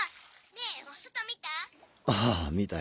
ねえお外見た？」